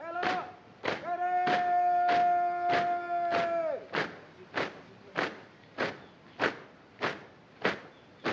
ejoushh dan somnolursalnya